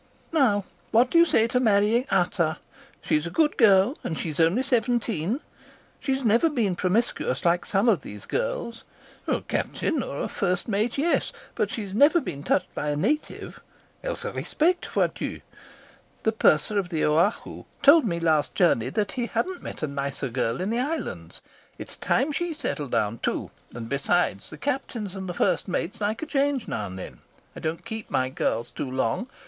"'Now, what do you say to marrying Ata? She's a good girl and she's only seventeen. She's never been promiscuous like some of these girls a captain or a first mate, yes, but she's never been touched by a native. . The purser of the told me last journey that he hadn't met a nicer girl in the islands. It's time she settled down too, and besides, the captains and the first mates like a change now and then. I don't keep my girls too long.